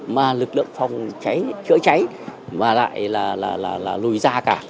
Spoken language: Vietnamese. mà lực lượng phòng chữa cháy lại lùi ra cả